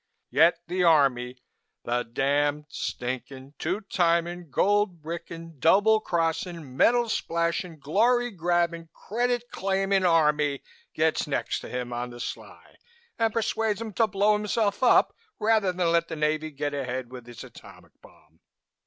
Yet the Army, the damned, stinking, two timing, gold bricking, double crossing, medal splashing, glory grabbing, credit claiming Army, gets next to him on the sly and persuades him to blow himself up rather than let the Navy get ahead with its atomic bomb."